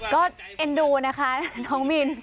ก็เอ็นดูนะคะน้องมิน